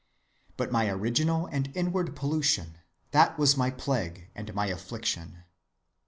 "But my original and inward pollution, that was my plague and my affliction.